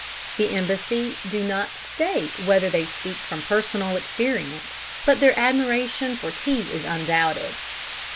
The Embassy do not state whether they speak from personal experience, but their admiration for tea is undoubted.